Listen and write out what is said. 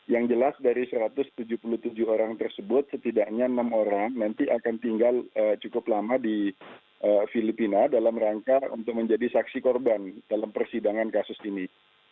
yang jelas dari satu ratus tujuh puluh tujuh orang tersebut setidaknya enam orang nanti akan tinggal cukup lama di filipina dalam rangka untuk menjadi saksi korban dalam persidangan kasus ini